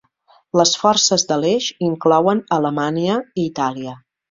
Les forces de l'Eix inclouen Alemanya i Itàlia.